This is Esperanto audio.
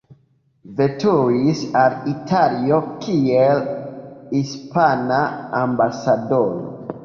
Veturis al Italio kiel hispana ambasadoro.